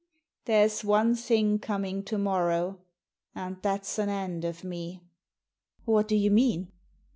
" There's one thing coming to morrow, and that's an end of me." "What do you mean?"